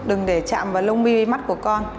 đừng để chạm vào lông mi mắt của con